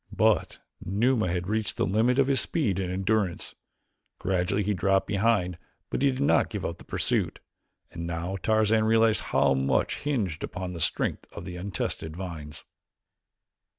But Numa had reached the limit of his speed and endurance. Gradually he dropped behind but he did not give up the pursuit, and now Tarzan realized how much hinged upon the strength of the untested vines.